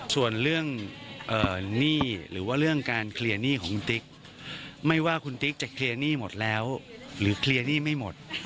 ส่วนเรื่องหนี้หรือว่าเรื่องการเคลียร์หนี้ของคุณติ๊กไม่ว่าคุณติ๊กจะเคลียร์หนี้หมดแล้วหรือเคลียร์หนี้ไม่หมด